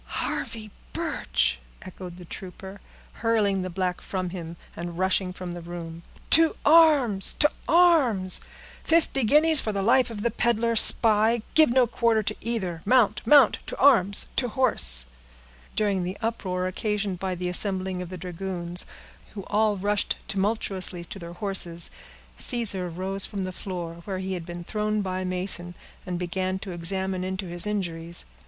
"Harvey Birch!" echoed the trooper, hurling the black from him, and rushing from the room. "To arms! to arms! Fifty guineas for the life of the peddler spy—give no quarter to either. Mount, mount! to arms! to horse!" During the uproar occasioned by the assembling of the dragoons, who all rushed tumultuously to their horses, Caesar rose from the floor, where he had been thrown by Mason, and began to examine into his injuries.